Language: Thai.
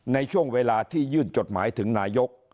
ในช่วงเวลาที่ยื่นจดหมายถึงนายก